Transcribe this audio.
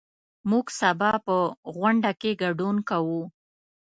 موږ سبا په غونډه کې ګډون کوو.